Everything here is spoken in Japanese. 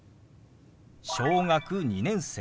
「小学２年生」。